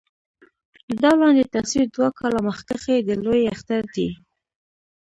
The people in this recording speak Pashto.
دا لاندې تصوير دوه کاله مخکښې د لوئے اختر دے